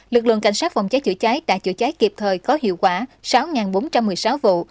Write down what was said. lực lượng cảnh sát phòng cháy chữa cháy đã chữa cháy kịp thời có hiệu quả sáu bốn trăm một mươi sáu vụ